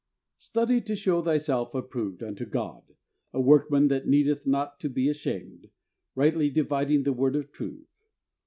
"Study to show thyself approved unto God, a workman that needeth not to he ashamed, right ly dividing the word of truth.